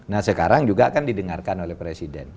nah sekarang juga akan didengarkan oleh presiden